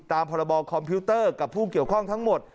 พรบคอมพิวเตอร์กับผู้เกี่ยวข้องทั้งหมด